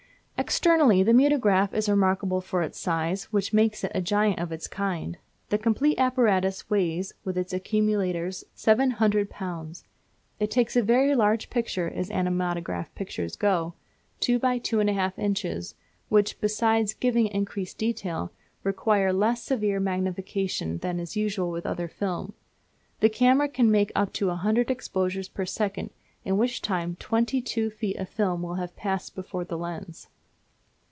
Externally the Mutograph is remarkable for its size, which makes it a giant of its kind. The complete apparatus weighs, with its accumulators, several hundreds of pounds. It takes a very large picture, as animatograph pictures go two by two and a half inches, which, besides giving increased detail, require less severe magnification than is usual with other films. The camera can make up to a hundred exposures per second, in which time twenty two feet of film will have passed before the lens.